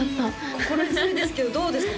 心強いですけどどうですか？